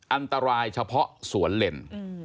อันตรายเฉพาะสวนเล่น